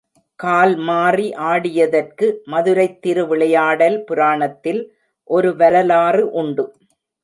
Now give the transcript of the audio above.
கால் மாறி ஆடியதற்கு மதுரைத் திரு விளையாடல் புராணத்தில் ஒரு வரலாறு உண்டு.